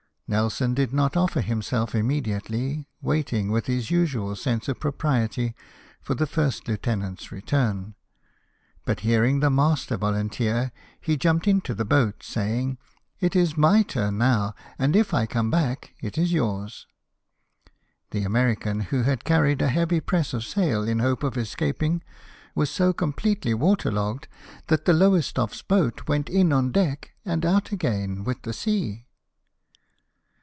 " Nelson did not offer himself immediately, waiting, with his usual sense of propriety, for the first lieutenant's return ; but hearing the master volunteer, he jumped into the boat, saying, " It is my turn now ; and if I come back, it is yours." The American, who had carried a heavy press of sail in hope of escaping, was so completely water logged that the Lowestoffes boat went in on deck, and out again, with the sea.